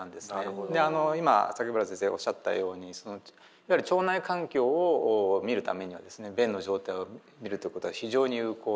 であの今原先生がおっしゃったようにいわゆる腸内環境を見るためにはですね便の状態を見るということは非常に有効で。